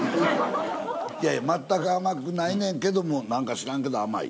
いやいや全く甘くないねんけども何か知らんけど甘い。